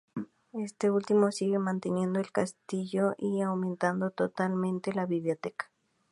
Este último sigue manteniendo el castillo y aumentando notablemente la biblioteca.